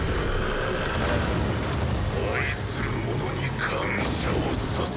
愛する者に感謝を捧げよ。